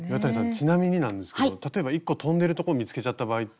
ちなみになんですけど例えば１個飛んでるとこ見つけちゃった場合って。